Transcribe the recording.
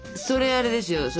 それあれですよ。